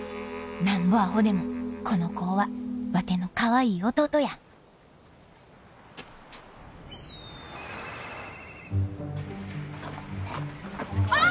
なんぼアホでもこの子はワテのかわいい弟やあっ！